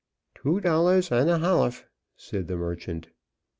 "Two dollahs ond a hollaf," said the merchant.